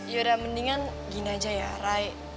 yaudah mendingan gini aja ya rai